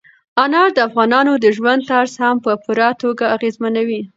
انار د افغانانو د ژوند طرز هم په پوره توګه اغېزمنوي.